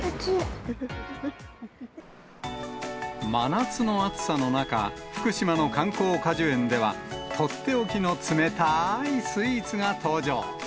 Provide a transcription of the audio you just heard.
真夏の暑さの中、福島の観光果樹園では、取って置きの冷たーいスイーツが登場。